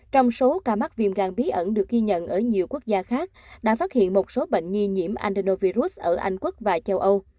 trong số ca mắc viêm gan bí ẩn được ghi nhận ở nhiều quốc gia khác đã phát hiện một số bệnh nghi nhiễm andernovirus ở anh quốc và châu âu